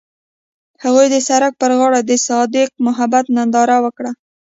هغوی د سړک پر غاړه د صادق محبت ننداره وکړه.